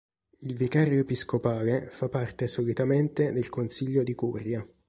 Il vicario episcopale fa parte solitamente del consiglio di curia.